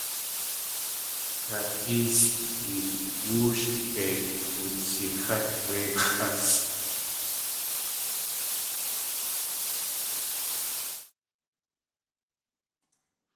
Kaxéesʼ teen wóoshdei kdudzixát du x̲ʼásʼ.